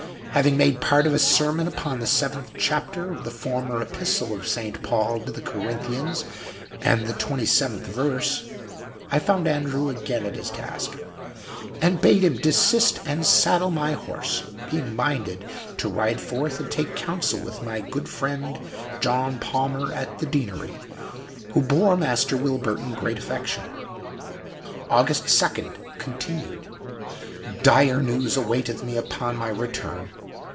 Having made part of a sermon upon the seventh Chapter of the former Epistle of St. Paul to the Corinthians and the 27th verse, I found Andrew again at his task, and bade him desist and saddle my horse, being minded to ride forth and take counsel with my good friend John Palmer at the Deanery, who bore Master Wil burton great affection. Aug. 2 continued. — Dire news awaiteth me upon my return.